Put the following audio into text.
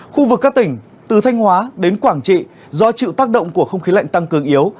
khu vực các tỉnh từ thanh hóa đến quảng trị do chịu tác động của không khí lạnh tăng cường yếu